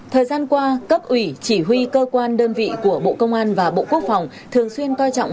thời gian qua cấp ủy chỉ huy cơ quan đơn vị của bộ công an và bộ quốc phòng thường xuyên coi trọng